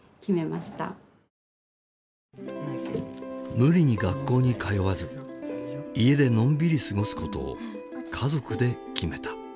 無理に学校に通わず家でのんびり過ごすことを家族で決めた。